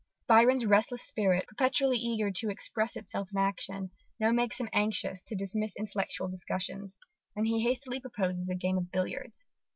_) Byron's restless spirit, perpetually eager to express itself in action, now makes him anxious to dismiss intellectual discussions: and he hastily proposes a game of billiards.